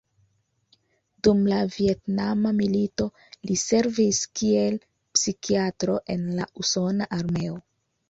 Dum la Vjetnama milito li servis kiel psikiatro en la usona armeo.